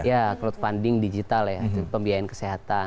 ya crowdfunding digital ya pembiayaan kesehatan